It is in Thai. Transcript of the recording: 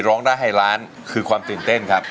ร้องได้ให้ล้านคือความตื่นเต้นครับ